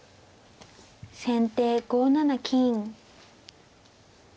先手５七金。